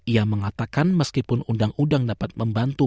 ia mengatakan meskipun undang undang dapat membantu